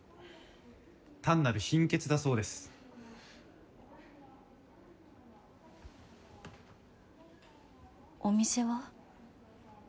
単なる貧血だそうですお店は？